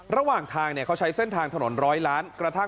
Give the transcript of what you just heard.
ระหว่างทางเนี่ยเขาใช้เส้นทางถนนร้อยล้าน